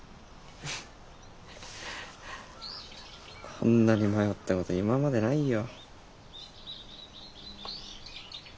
こんなに迷ったこと今までないよ。